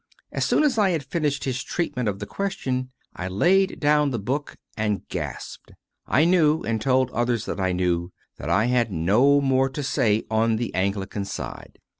As soon as I had finished his treatment of the question, I laid down the book and gasped. I knew, and told others that I knew, that I had no more to say on the Anglican side.